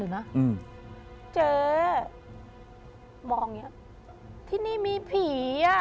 มองอย่างนี้ที่นี่มีผี